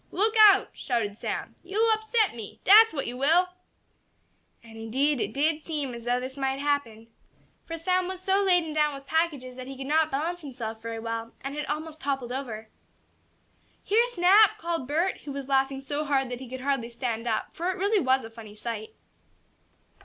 "Look out!" shouted Sam. "Yo'll upset me! Dat's what you will!" And indeed it did seem as though this might happen. For Sam was so laden down with packages that he could not balance himself very well, and had almost toppled over. "Here, Snap!" called Bert, who was laughing so hard that he could hardly stand up, for really it was a funny sight.